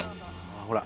ほら。